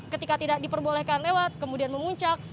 ketika tidak diperbolehkan lewat kemudian memuncak